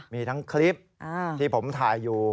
มีทั้งคลิปที่ผมถ่ายอยู่